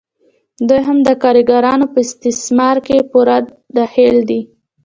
دوی هم د کارګرانو په استثمار کې پوره دخیل دي